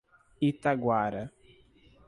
Itaguara